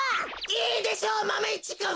いいでしょうマメ１くん！